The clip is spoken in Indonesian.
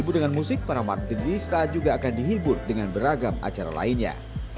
dengan musik para martigrista juga akan dihibur dengan beragam acara lainnya